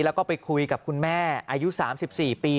แล้วก็ไปคุยกับคุณแม่อายุ๓๔ปี